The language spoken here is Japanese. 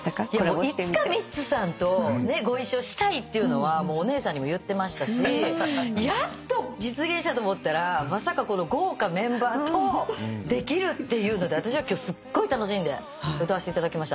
いつかミッツさんとご一緒したいっていうのはおねえさんにも言ってましたしやっと実現したと思ったらまさかこの豪華メンバーとできるっていうので私は今日すっごい楽しんで歌わせていただきました。